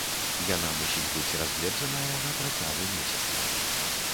Яна мусіць быць разгледжаная на працягу месяца.